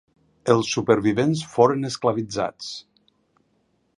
Els supervivents foren esclavitzats.